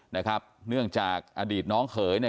เนื่องจากอดีตน้องเขยเนี่ย